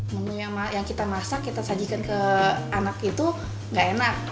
menu yang kita masak kita sajikan ke anak itu gak enak